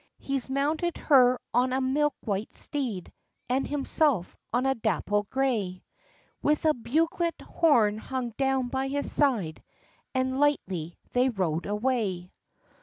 — He's mounted her on a milk white steed, And himself on a dapple grey, With a bugelet horn hung down by his side, And lightly they rode away.